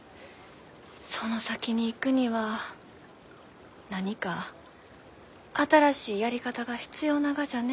その先に行くには何か新しいやり方が必要ながじゃね。